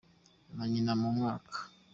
na nyina mu mwaka.